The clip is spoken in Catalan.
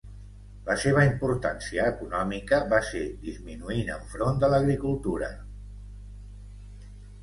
La seva importància econòmica va ser disminuint enfront de l'agricultura.